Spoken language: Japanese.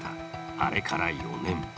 あれから４年。